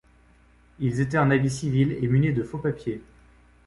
Ils étaient en habits civils et munis de faux-papiers.